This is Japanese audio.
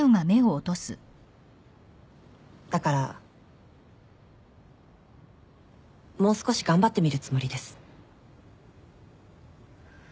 だからもう少し頑張ってみるつもりです。